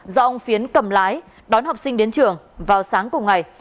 do ông phiến cầm lái đón học sinh đến trường vào sáng cùng ngày